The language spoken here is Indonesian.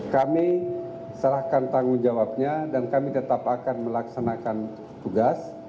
kami serahkan tanggung jawabnya dan kami tetap akan melaksanakan tugas